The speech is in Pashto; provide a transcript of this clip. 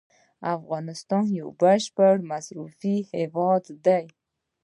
افغانستان یو بشپړ مصرفي هیواد دی.